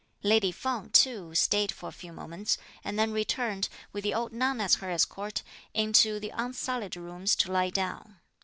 Lady Feng too stayed for a few moments, and then returned, with the old nun as her escort, into the "unsullied" rooms to lie down.